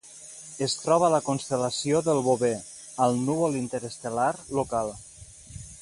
Es troba a la constel·lació del Bover, al Núvol Interestel·lar Local.